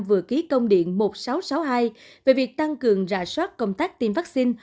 vừa ký công điện một nghìn sáu trăm sáu mươi hai về việc tăng cường rà soát công tác tiêm vaccine